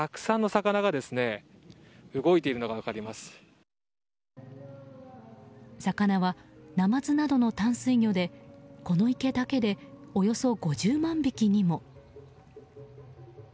魚はナマズなどの淡水魚でこの池だけでおよそ５０万匹にも。